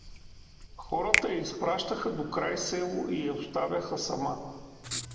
Хората я изпращаха докрай село и я оставяха сама.